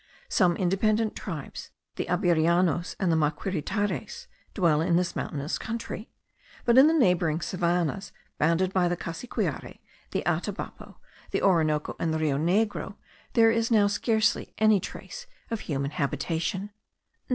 Some independent tribes, the Abirianos and the Maquiritares, dwell in the mountainous country; but in the neighbouring savannahs,* bounded by the Cassiquiare, the Atabapo, the Orinoco, and the Rio Negro, there is now scarcely any trace of a human habitation.